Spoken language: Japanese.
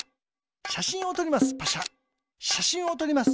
しゃしんをとります。